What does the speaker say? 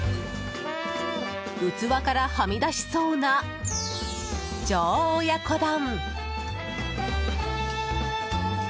器からはみ出しそうな上親子丼。